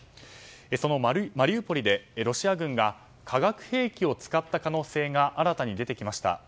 そのマリウポリで、ロシア軍が化学兵器を使った可能性が新たに出てきました。